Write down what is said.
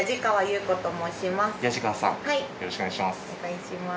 よろしくお願いします。